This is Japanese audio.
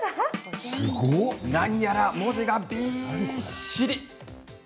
何やら文字がびっしり。